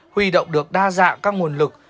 huy động được đa dạng các nguồn lực